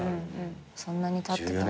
そんなにたってた。